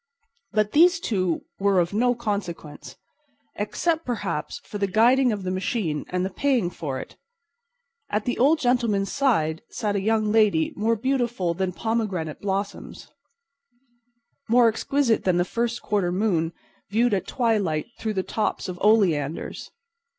But these two were of no consequence—except, perhaps, for the guiding of the machine and the paying for it. At the old gentleman's side sat a young lady more beautiful than pomegranate blossoms, more exquisite than the first quarter moon viewed at twilight through the tops of oleanders.